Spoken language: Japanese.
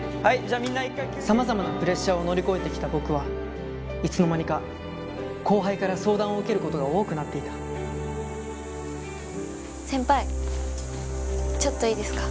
さまざまなプレッシャーを乗り越えてきた僕はいつの間にか後輩から相談を受けることが多くなっていた先輩ちょっといいですか？